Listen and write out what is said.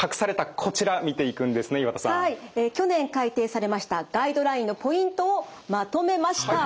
去年改訂されましたガイドラインのポイントをまとめました。